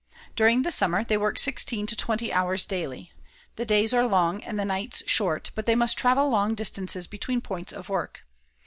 During the summer they work sixteen to twenty hours daily. The days are long and the nights short, and they must travel long distances between points of work.